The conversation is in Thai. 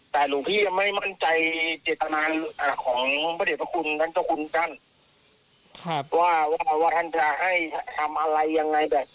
จะให้ทำอะไรยังไงแบบไหน